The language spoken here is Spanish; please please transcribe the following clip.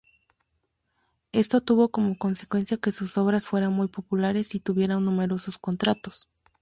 Esto tuvo como consecuencia que sus obras fueran muy populares y tuviera numerosos contratos.